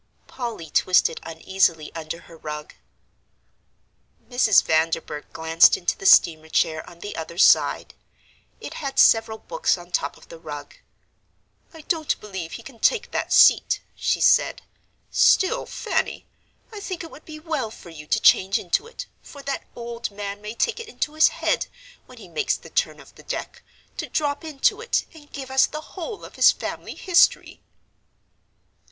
Polly twisted uneasily under her rug. Mrs. Vanderburgh glanced into the steamer chair on the other side. It had several books on top of the rug. "I don't believe he can take that seat," she said; "still, Fanny, I think it would be well for you to change into it, for that old man may take it into his head, when he makes the turn of the deck, to drop into it and give us the whole of his family history."